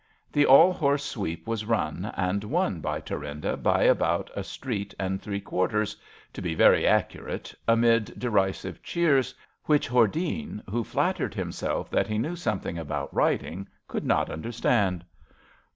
'' The All Horse Sweep was run, and won by Thurinda by about a street and three quarters, to be very accurate, amid derisive cheers, which Hordene, who flattered himself that he knew some thing about riding, could not understand.